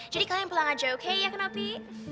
jadi kalian pulang aja oke ya kan opi